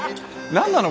何なの？